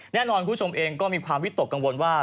แน่นอนคุณผู้ชมเองก็มีความวิตกกังวลว่า